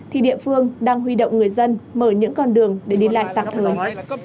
thì địa phương đang huy động người dân mở những con đường để đi lại tạm thời